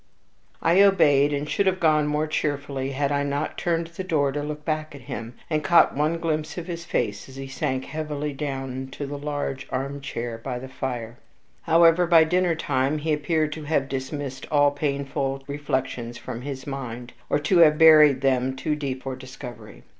I obeyed, and should have gone more cheerfully had I not turned at the doorway to look back at him, and caught one glimpse of his face as he sank heavily down into the large arm chair by the fireside. However, by dinner time he appeared to have dismissed all painful reflections from his mind, or to have buried them too deep for discovery.